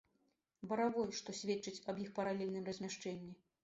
Баравой, што сведчыць аб іх паралельным размяшчэнні.